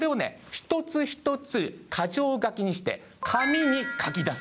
一つ一つ箇条書きにして紙に書き出す。